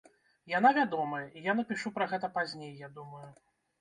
Яна вядомая, і я напішу пра гэта пазней, я думаю.